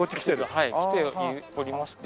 はい来ておりまして。